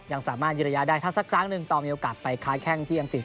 ยังสามารถยืนระยะได้ถ้าสักครั้งหนึ่งตอนมีโอกาสไปค้าแข้งที่อังกฤษ